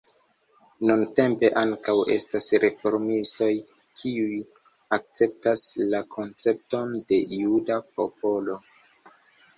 Nuntempe ankaŭ estas reformistoj kiuj akceptas la koncepton de "juda popolo".